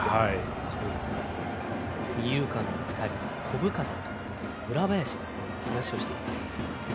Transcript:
二遊間の２人小深田と村林が話をしています。